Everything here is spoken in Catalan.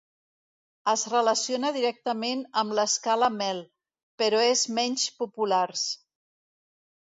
Es relaciona directament amb l'escala mel, però és menys populars.